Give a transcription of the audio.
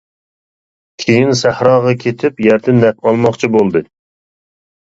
كېيىن سەھراغا كېتىپ يەردىن نەپ ئالماقچى بولدى.